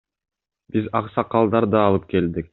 Биз аксакалдарды алып келдик.